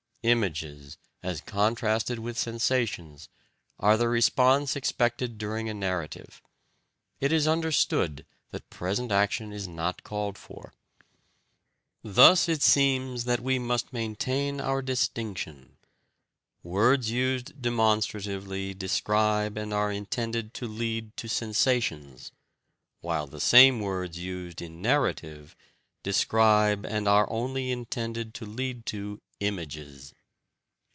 Images, as contrasted with sensations, are the response expected during a narrative; it is understood that present action is not called for. Thus it seems that we must maintain our distinction words used demonstratively describe and are intended to lead to sensations, while the same words used in narrative describe and are only intended to lead to images.